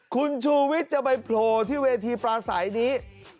คุณชูวิทย์จะไปโผล่ที่เวทีปลาใสนี้